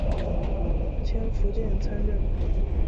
迁福建参政。